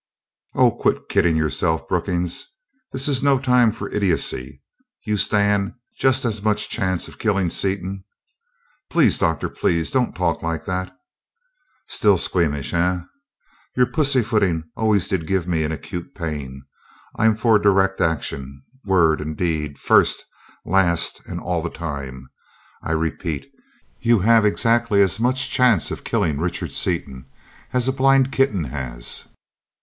"Oh, quit kidding yourself, Brookings! This is no time for idiocy! You stand just as much chance of killing Seaton " "Please, Doctor, please don't talk like that!" "Still squeamish, eh? Your pussyfooting always did give me an acute pain. I'm for direct action, word and deed, first, last, and all the time. I repeat, you have exactly as much chance of killing Richard Seaton as a blind kitten has."